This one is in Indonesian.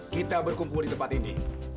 kita berkumpul di tempat ini